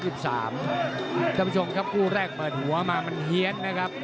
คุณผู้ชมครับคู่แรกเปิดหัวมามันเฮียนนะครับ